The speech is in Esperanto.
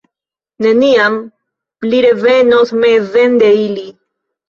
Neniam li revenos mezen de ili.